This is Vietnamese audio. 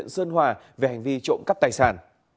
sơn hòa về hành vi trộm cắp tài sản